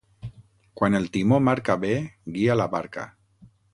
Quan el timó marca bé guia la barca.